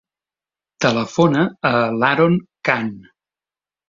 Telefona a l'Haron Khan.